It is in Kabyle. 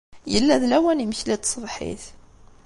Yella d lawan n yimekli n tṣebḥit.